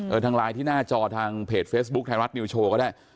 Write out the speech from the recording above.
ทางไลน์ที่หน้าจอทางเพจเฟซบุ๊คไทยรัฐนิวโชว์ก็ได้